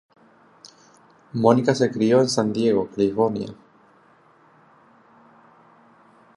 Monica se crio en San Diego, California.